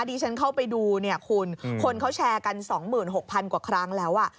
ดีฉันเข้าไปดูเนี่ยคุณคนเขาแชร์กันสองหมื่นหกพันกว่าครั้งแล้วอ่ะ